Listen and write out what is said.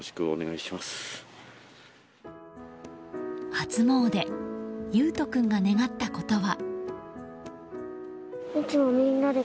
初詣、維斗君が願ったことは。